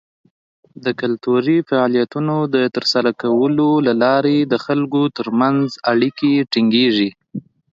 د کلتوري فعالیتونو د ترسره کولو له لارې د خلکو تر منځ اړیکې ټینګیږي.